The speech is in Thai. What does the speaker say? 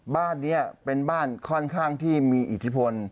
บ้านนี้เป็นบ้านค่อนข้างที่มีอิทธิพล